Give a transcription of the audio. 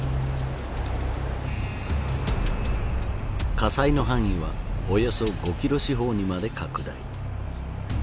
火災の範囲はおよそ５キロ四方にまで拡大。